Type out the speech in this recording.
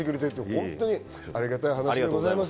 本当にありがたい話です。